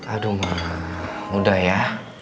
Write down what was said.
aduh mama udah ya